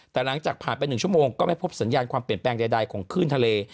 แต่หลังจากผ่านไป๑ชั่วโมงก็ไม่พบสัญญาณความเปลี่ยนแปลงใดของคลื่นทะเล